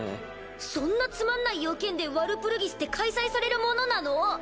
そんなつまんない用件でワルプルギスって開催されるものなの？